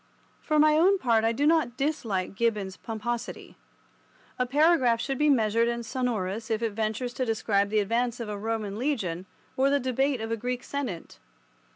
For my own part I do not dislike Gibbon's pomposity. A paragraph should be measured and sonorous if it ventures to describe the advance of a Roman legion, or the debate of a Greek Senate.